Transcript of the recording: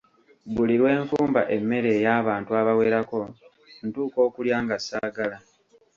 Buli lwe nfumba emmere ey'abantu abawerako ntuuka okulya nga saagala.